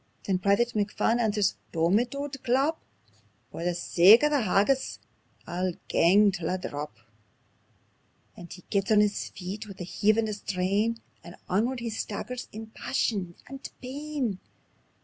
Then Private McPhun answers: "Dommit, auld chap! For the sake o' that haggis I'll gang till I drap." And he gets on his feet wi' a heave and a strain, And onward he staggers in passion and pain.